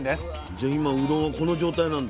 じゃあ今うどんはこの状態なんだ。